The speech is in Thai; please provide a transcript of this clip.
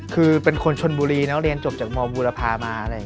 คือเป็นคนชนบุรีแล้วเรียนจบจากมบุรพามา